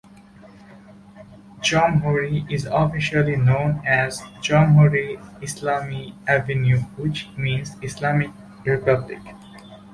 Jomhuri is officially known as Jomhuri Islami Avenue which means Islamic republic.